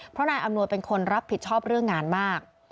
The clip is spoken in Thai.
เพราะนายอำนวยเป็นคนรับผิดชอบเรื่องงานมาก